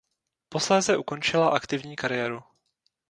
Posléze ukončila aktivní kariéru.